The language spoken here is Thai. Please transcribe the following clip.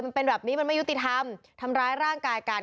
มันเป็นแบบนี้มันไม่ยุติธรรมทำร้ายร่างกายกัน